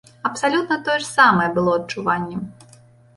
Абсалютна тое ж самае было адчуванне.